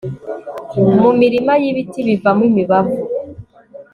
mu mirima y'ibiti bivamo imibavu